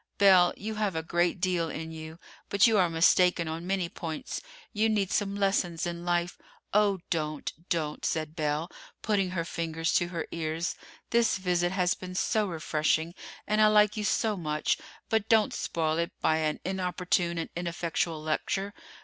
Belle, you have a great deal in you; but you are mistaken on many points. You need some lessons in life——" "Oh, don't, don't," said Belle, putting her fingers to her ears. "This visit has been so refreshing, and I like you so much: but don't spoil it by an inopportune and ineffectual lecture.